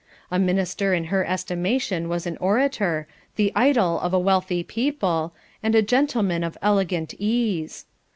A minister in her estimation was an orator, the idol of a wealthy people, and a gentleman of elegant ease.